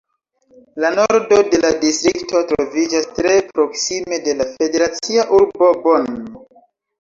La nordo de la distrikto troviĝas tre proksime de la federacia urbo Bonn.